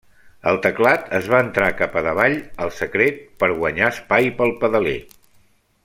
El teclat es va entrar cap a davall el secret per guanyar espai pel pedaler.